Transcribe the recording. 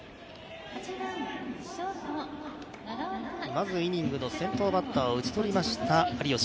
まずイニングの先頭バッターを打ち取りました、有吉。